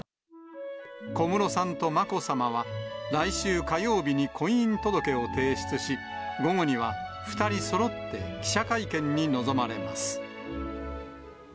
小室さんとまこさまは、来週火曜日に婚姻届を提出し、午後には２人そろって記者会見に臨まれます。